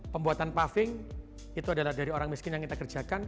pembuatan paving itu adalah dari orang miskin yang kita kerjakan